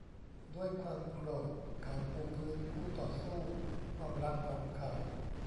ด้วยความโกรธเขาปูพื้นคู่ต่อสู้ความรักของเขา